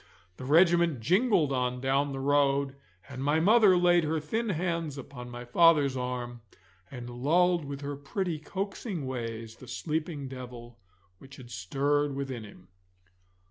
The regiment jingled on down the road, and my mother laid her thin hands upon my father's arm, and lulled with her pretty coaxing ways the sleeping devil which had stirred within him.